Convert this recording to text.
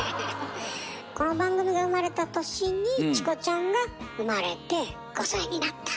この番組が生まれた年に千瑚ちゃんが生まれて５歳になった。